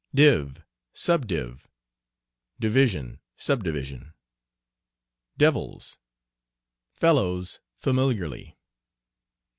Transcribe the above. "Div," "subdiv." Division, subdivision. "Devils." Fellows familiarly.